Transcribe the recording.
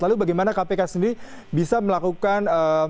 lalu bagaimana kpk sendiri bisa melakukan